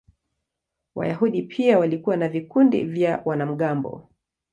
Wayahudi pia walikuwa na vikundi vya wanamgambo.